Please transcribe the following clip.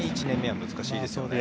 １年目は難しいですね。